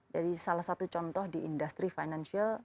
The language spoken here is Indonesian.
jadi salah satu contoh di industri financial